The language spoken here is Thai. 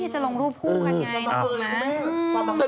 ที่จะลงรูปฟูมันไงนะครับ